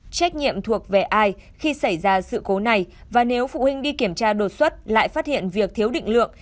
trách nhiệm thuộc về ai khi xảy ra sự cố này và nếu phụ huynh đi kiểm tra đột xuất lại phát hiện việc thiếu định lượng